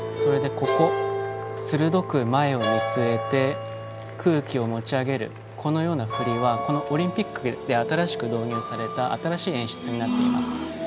鋭く前を見据えて空気を持ち上げるこのような振りはこのオリンピックで新しく導入された演出になっています。